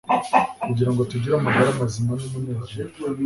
kugira ngo tugire amagara mazima n’umunezero.